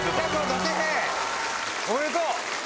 おめでとう！